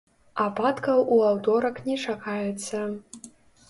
Ападкаў у аўторак не чакаецца.